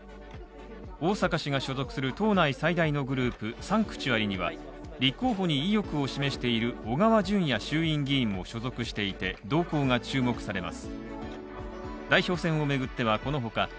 逢坂氏が所属する党内最大のグループサンクチュアリには、立候補に意欲を示している小川淳也衆院議員も所属していて、動向が注目されます。